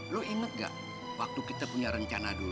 lo inget gak waktu kita punya rencana dulu